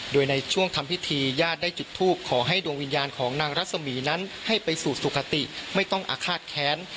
โดยในช่วงทำพิธีญาติได้จุดทูปขอให้ดวงวิญญาณของนางรัศมีนั้นให้ไปสู่สุขติไม่ต้องอาฆาตแค้น